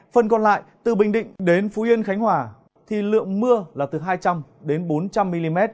phần còn lại từ bình định đến phú yên khánh hòa thì lượng mưa là từ hai trăm linh đến bốn trăm linh mm